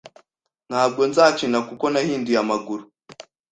Ntabwo nzakina kuko nahinduye amaguru.